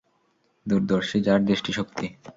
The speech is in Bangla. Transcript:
দূরদর্শী যাঁর দৃষ্টিশক্তি।